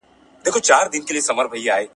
دوی به د انساني کرامت ساتنه وکړي.